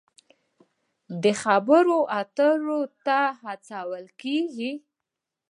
د خبرو اترو ته هڅول کیږي.